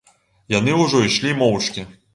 Яны ўжо ішлі моўчкі.